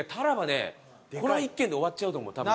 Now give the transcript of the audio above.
ねこの１軒で終わっちゃうと思う多分。